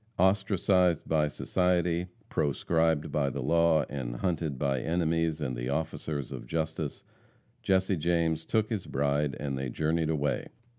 Ostracised by society, proscribed by the law, and hunted by enemies and the officers of justice, Jesse James took his bride, and they journeyed away.